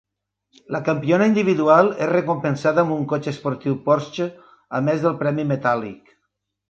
La campiona individual és recompensada amb un cotxe esportiu Porsche a més del premi metàl·lic.